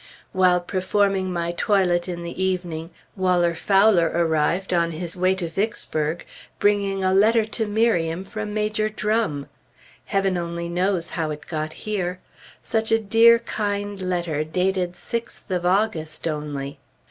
While performing my toilet in the evening, Waller Fowler arrived, on his way to Vicksburg, bringing a letter to Miriam from Major Drum! Heaven only knows how it got here! Such a dear, kind letter, dated 6th of August, only!